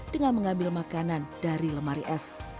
dengan mengambil makanan dari lemari es